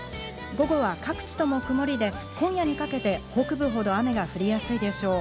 午後は各地とも曇りで、今夜にかけて北部ほど雨が降りやすいでしょう。